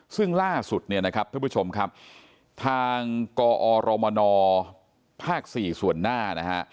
ซึ่งล่าสุดเนี่ยนะครับท่านผู้ชมครับทางกอรมนภาค๔ส่วนหน้านะฮะ